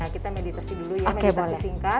kita meditasi dulu ya meditasi singkat